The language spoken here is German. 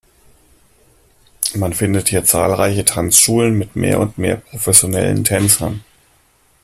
Man findet hier zahlreiche Tanzschulen mit mehr und mehr professionellen Tänzern.